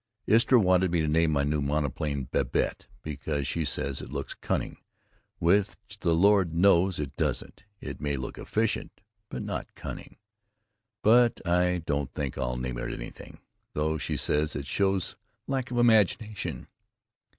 Istra wanted me to name my new monoplane Babette, because she says it looks "cunning" which the Lord knows it don't, it may look efficient but not cunning. But I don't think I'll name it anything, tho she says that shows lack of imagination.